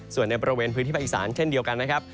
ส่วนในบริเวณพื้นที่ภาคอีสานเช่นเดียวกันนะครับ